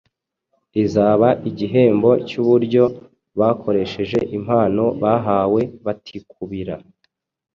izaba igihembo cy’uburyo bakoresheje impano bahawe batikubira.